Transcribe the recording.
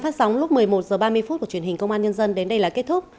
phát sóng lúc một mươi một h ba mươi phút của truyền hình công an nhân dân đến đây là kết thúc